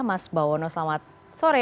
mas bawono selamat sore